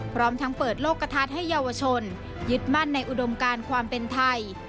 พร้อมทั้งเปิดโลกกระทัดให้เยาวชนยึดมั่นในอุดมการความเป็นไทย